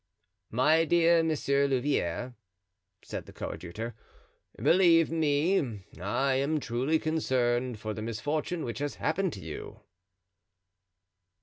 "My dear Monsieur Louvieres," said the coadjutor, "believe me, I am truly concerned for the misfortune which has happened to you."